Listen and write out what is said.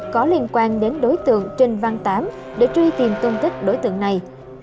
có liên quan đến đối tượng trinh văn tám để truy tìm thông tích đối tượng này